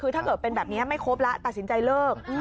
คือถ้าเกิดเป็นแบบนี้ไม่ครบแล้วตัดสินใจเลิก